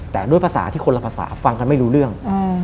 แต่ด้วยภาษาที่คนละภาษาฟังกันไม่รู้เรื่อง